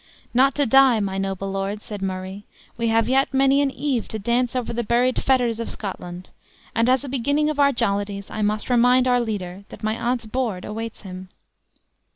"Not to die! my noble lord," said Murray; "we have yet many an eve to dance over the buried fetters of Scotland. And as a beginning of our jollities, I must remind our leader that my aunt's board awaits him."